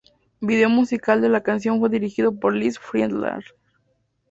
Video musical de la canción fue dirigido por Liz Friedlander.